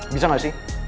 bisa gak sih